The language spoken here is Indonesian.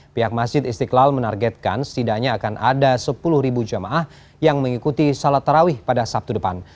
pihak masjid istiqlal menargetkan setidaknya akan ada sepuluh jamaah yang mengikuti salat tarawih pada sabtu depan